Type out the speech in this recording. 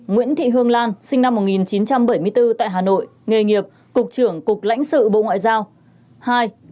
nguyễn thị hương lan sinh năm một nghìn chín trăm bảy mươi bốn tại hà nội nghề nghiệp cục trưởng cục lãnh sự bộ ngoại giao